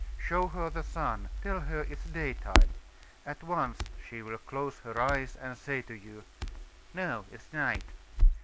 Show her the sun; tell her it's daytime; at once she will close her eyes and say to you, 'No, it's night.